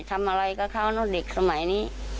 ทำอะไรกับเขาเนอะเด็กสมัยนี้